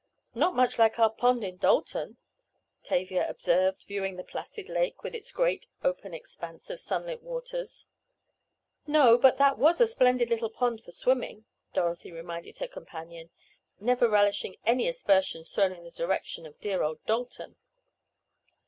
"Not much like our pond in Dalton," Tavia observed, viewing the placid lake with its great open expanse of sunlit waters. "No, but that was a splendid little pond for swimming," Dorothy reminded her companion, never relishing any aspersions thrown in the direction of "dear old Dalton."